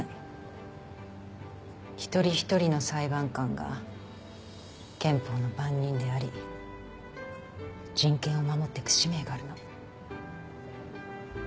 一人一人の裁判官が憲法の番人であり人権を守っていく使命があるの。